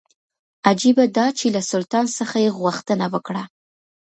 عجیبه دا چې له سلطان څخه یې غوښتنه وکړه.